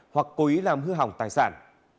hoặc cố ý làm hư hỏng tài sản